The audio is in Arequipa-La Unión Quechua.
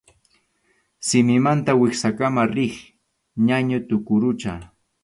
Simimanta wiksakama riq ñañu tuqurucha.